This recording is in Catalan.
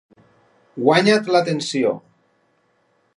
Guanya't l'atenció.